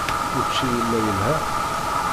Učči yella yelha.